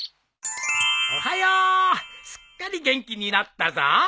おはよう！すっかり元気になったぞ。